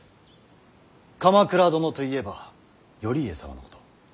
鎌倉殿といえば頼家様のこと。